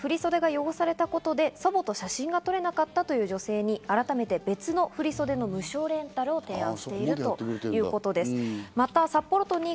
さらに振り袖が汚されたことで祖母と写真が撮れなかったという女性に、改めて別の振り袖の無償レンタルを提案しているということです。